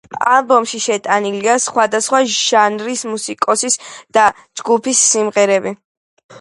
ალბომში შეტანილია სხვადასხვა ჟანრის მუსიკოსის და ჯგუფის სიმღერები.